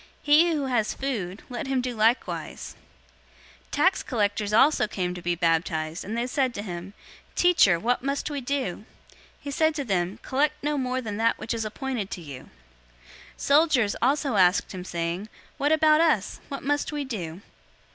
He who has food, let him do likewise." 003:012 Tax collectors also came to be baptized, and they said to him, "Teacher, what must we do?" 003:013 He said to them, "Collect no more than that which is appointed to you." 003:014 Soldiers also asked him, saying, "What about us? What must we do?"